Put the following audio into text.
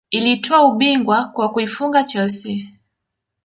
Iliutwaa ubingwa kwa kuifunga chelsea